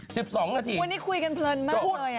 คุณผู้ชมวันนี้คุยกันเพลินมากเลย